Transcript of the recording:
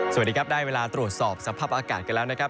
สวัสดีครับได้เวลาตรวจสอบสภาพอากาศกันแล้วนะครับ